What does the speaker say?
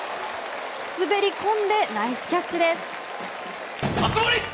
滑り込んでナイスキャッチです。